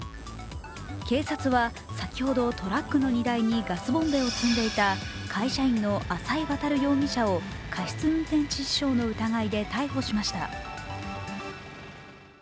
警察は先ほどトラックの荷台にガスボンベを積んでいた浅井渉容疑者を過失運転致死傷の疑いで逮捕しました。